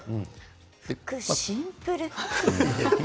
服、シンプル。